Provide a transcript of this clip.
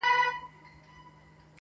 چا له وني څخه وکړله پوښتنه٫